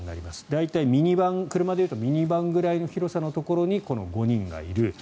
大体、車でいうとミニバンぐらいの広さのところにこの５人がいる。